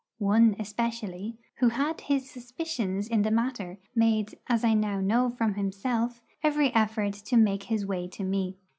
One especially, who had his suspicions in the matter, made, as I now know from himself, every effort to make his way to me.